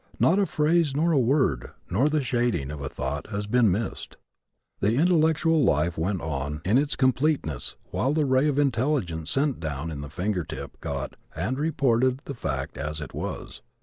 Not a phrase nor a word nor the shading of a thought has been missed. The intellectual life went on in its completeness while the ray of intelligence sent down in the finger tip got and reported the fact as it was.